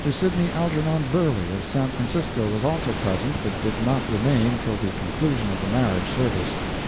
Sidney Algernon Burley, of San Francisco, was also present but did not remain till the conclusion of the marriage service.